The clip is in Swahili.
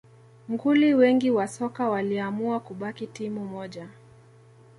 Nguli wengi wa soka waliamua kubaki timu moja